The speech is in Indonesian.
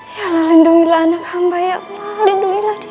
ya allah lindungilah anak hamba ya allah lindungilah dia